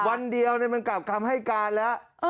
วันเดียวมันกลับคำให้การแล้ว